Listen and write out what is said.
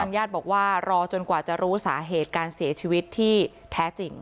ญาติบอกว่ารอจนกว่าจะรู้สาเหตุการเสียชีวิตที่แท้จริง